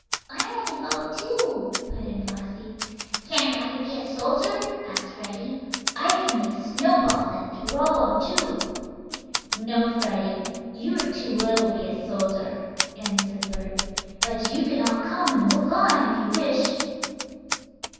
"I want to go, too," put in Flossie. "Can't I be a soldier?" asked Freddie. "I can make snowballs, and throw 'em, too." "No, Freddie, you are too little to be a soldier," answered Bert. "But you can all come and look on, if you wish."